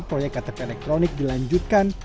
proyek ktp elektronik dilanjutkan